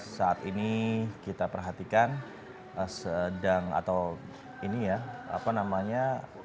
saat ini kita perhatikan sedang atau ini ya apa namanya